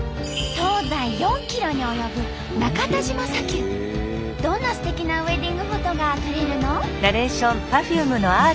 東西４ｋｍに及ぶどんなすてきなウエディングフォトが撮れるの？